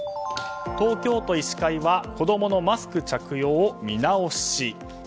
東京都医師会は子供のマスク着用を見直し。